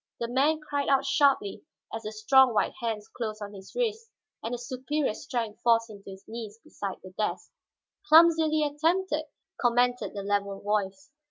The man cried out sharply as the strong white hands closed on his wrists and the superior strength forced him to his knees beside the desk. "Clumsily attempted," commented the level voice.